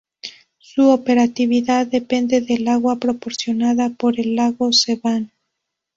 Su operatividad depende del agua proporcionada por el lago Seván.